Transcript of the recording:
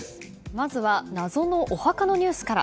まずは謎のお墓のニュースから。